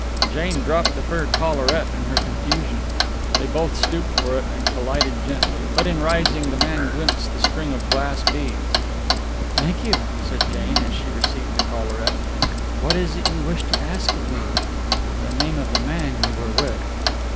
Jane dropped the fur collaret in her confusion. They both stooped for it, and collided gently; but in rising the man glimpsed the string of glass beads. "Thank you," said Jane, as she received the collaret. "What is it you wish to ask of me?" "The name of the man you were with."